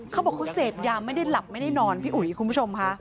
เขาบอกเขาเสพยาไม่ได้หลับไม่ได้นอนพี่อุ๋ยคุณผู้ชมค่ะ